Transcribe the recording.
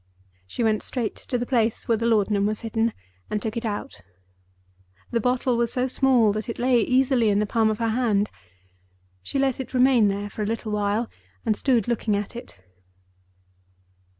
She went straight to the place where the laudanum was hidden, and took it out. The bottle was so small that it lay easily in the palm of her hand. She let it remain there for a little while, and stood looking at it.